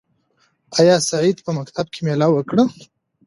آیا سعید په مکتب کې مېله وکړه؟